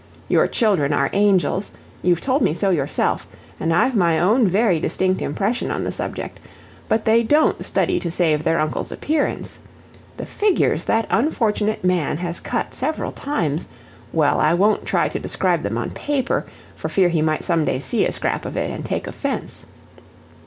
Your children are angels you've told me so yourself, and I've my own very distinct impression on the subject, but they DON'T study to save their uncle's appearance. The figures that unfortunate man has cut several times well, I won't try to describe them on paper, for fear he might some day see a scrap of it, and take offense.